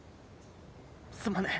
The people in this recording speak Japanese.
すまねえ。